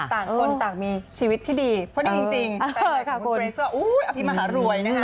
ต่างคนต่างมีชีวิตที่ดีเพราะนี่จริงแฟนใดของคุณเกรกซ์ก็เอาที่มหารวยนะฮะ